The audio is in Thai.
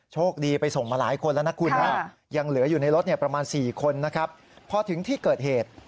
โชคดีไปส่งมาหลายคนแล้วนะคุณนะยังเหลืออยู่ในรถประมาณ๔คนนะครับพอถึงที่เกิดเหตุ